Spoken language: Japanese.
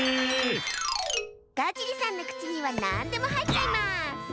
ガジリさんのくちにはなんでもはいっちゃいます！